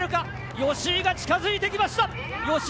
吉居が近づいてきました。